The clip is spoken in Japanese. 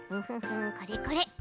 これこれ。